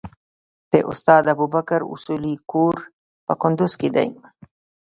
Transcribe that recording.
د استاد ابوبکر اصولي کور په کندوز کې دی.